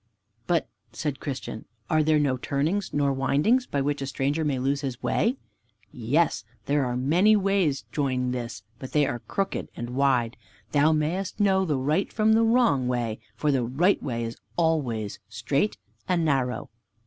"But," said Christian, "are there no turnings, nor windings, by which a stranger may lose his way?" "Yes, there are many ways join this, but they are crooked and wide. Thou mayest know the right from the wrong way, for the right way is always strait and narrow."